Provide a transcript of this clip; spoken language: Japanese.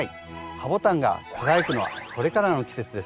ハボタンが輝くのはこれからの季節です。